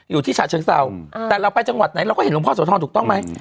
อยู่ที่ฉระเชื้อเซลท์แต่เราไปจังหวัดไหนเราก็เห็นหลวงพ่อสวทรถูกต้องมั้ย